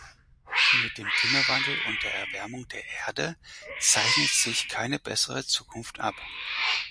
Mit dem Klimawandel und der Erwärmung der Erde zeichnet sich keine bessere Zukunft ab.